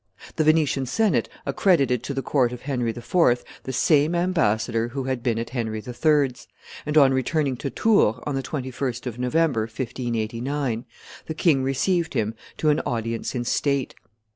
The Venetian senate accredited to the court of Henry IV. the same ambassador who had been at Henry III.'s; and, on returning to Tours, on the 21st of November, 1589, the king received him to an audience in state.